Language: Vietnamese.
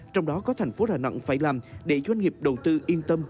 trong đó có thành phố đà nẵng phải làm để doanh nghiệp đầu tư yên tâm